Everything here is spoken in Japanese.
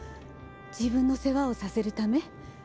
自分の世話をさせるため？